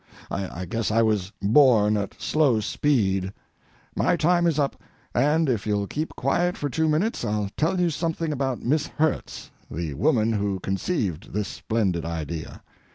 I guess I was born at slow speed. My time is up, and if you'll keep quiet for two minutes I'll tell you something about Miss Herts, the woman who conceived this splendid idea.